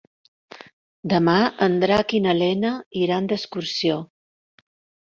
Demà en Drac i na Lena iran d'excursió.